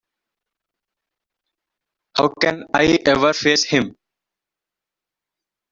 How can I ever face him?